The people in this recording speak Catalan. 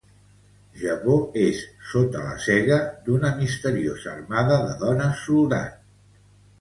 Japó és sota la sega d'una misteriosa armada de dones soldat.